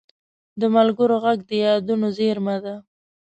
د ملګرو غږ د یادونو زېرمه ده